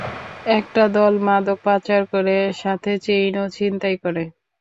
একটা দল মাদক পাচার করে, সাথে চেইনও ছিনতাই করে?